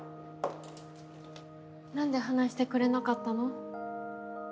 なんで話してくれなかったの？